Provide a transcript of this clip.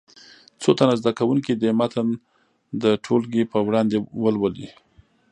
څو تنه زده کوونکي دې متن د ټولګي په وړاندې ولولي.